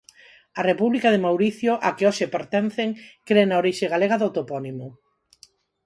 A República de Mauricio, á que hoxe pertencen, cre na orixe galega do topónimo.